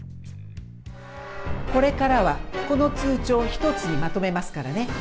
これからはこの通帳１つにまとめますからね。